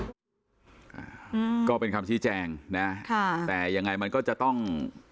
อ่าก็เป็นคำชี้แจงนะค่ะแต่ยังไงมันก็จะต้อง